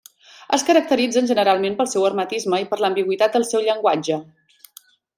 Es caracteritzen generalment pel seu hermetisme i per l'ambigüitat del seu llenguatge.